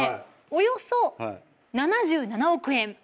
およそ７７億円。